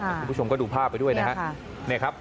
คุณผู้ชมก็ดูภาพไปด้วยนะครับ